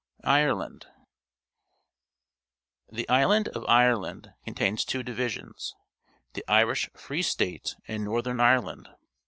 IRELAND The island of Ireland contains two di\'isions — the Irish Free State and Northern Ireland.